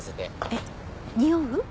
えっにおう？